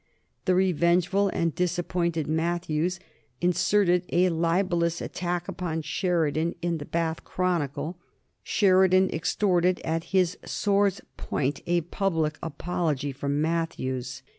The revengeful and disappointed Matthews inserted a libellous attack upon Sheridan in the Bath Chronicle. Sheridan extorted at his sword's point a public apology from Matthews.